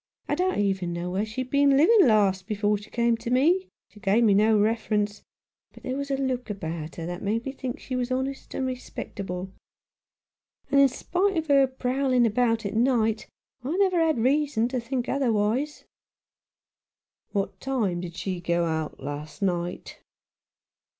I don't even know where she'd been living last before she came to me. She gave me no reference, but there was a look about her that made me think she was honest and respectable, and in spite of her prowling about at night, I had never reason to think otherwise." "What time did she go out last night?"